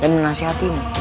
dan menasihati mu